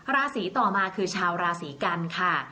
ราศีต่อมาคือชาวราศีกันค่ะ